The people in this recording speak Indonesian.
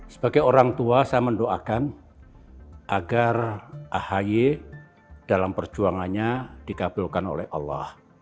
sebagai orang tua saya mendoakan agar ahy dalam perjuangannya dikabulkan oleh allah